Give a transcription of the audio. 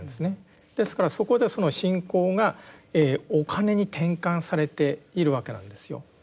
ですからそこでその信仰がお金に転換されているわけなんですよ。